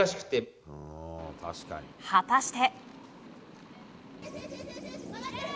果たして。